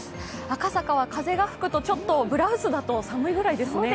赤坂は風が吹くとちょっとブラウスだと寒いくらいですね。